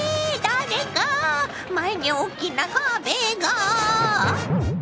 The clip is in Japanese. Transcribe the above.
前におっきな壁が！